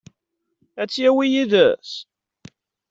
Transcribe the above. Ad t-yawi yid-s?